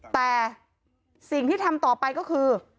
แต่สิ่งที่ทำต่อไปก็คือ